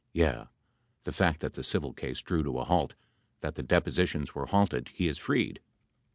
Yeah. The fact that the civil case drew to a halt — that the depositions were halted he is freed.